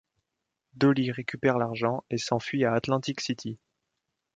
Dolly récupère l'argent et s'enfuit à Atlantic City.